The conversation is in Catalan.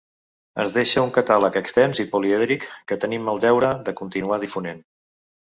Ens deixa un catàleg extens i polièdric que tenim el deure de continuar difonent.